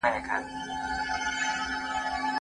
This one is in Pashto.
د يوسف سورت تفسير.